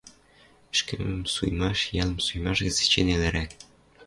Ӹшкӹмӹм суйымаш йӓлӹм суйымаш гӹц эче нелӹрак.